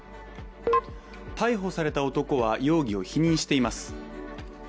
逮捕された男は容疑を否認しています。